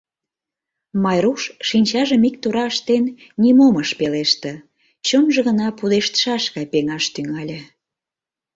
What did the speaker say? Майруш, шинчажым ик тура ыштен, нимом ыш пелеште, чонжо гына пудештшаш гай пеҥаш тӱҥале.